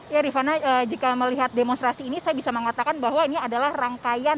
ya rifana jika melihat demonstrasi ini saya bisa mengatakan bahwa ini adalah rangkaian